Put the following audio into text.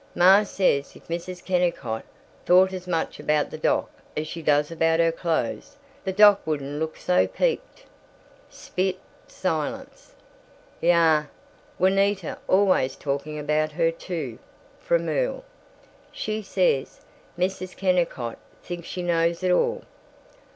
Ma says if Mrs. Kennicott thought as much about the doc as she does about her clothes, the doc wouldn't look so peaked." Spit. Silence. "Yuh. Juanita's always talking about her, too," from Earl. "She says Mrs. Kennicott thinks she knows it all.